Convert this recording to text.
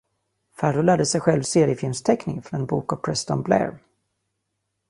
Ferro lärde sig själv seriefilmsteckning från en bok av Preston Blair.